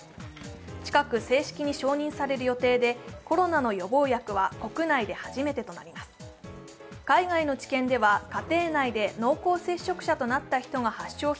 近く正式に了承される予定でコロナの予防薬は国内で初めてとなります。